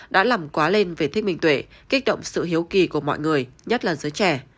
đã làm quá lên về thích minh tuệ kích động sự hiếu kỳ của mọi người nhất là giới trẻ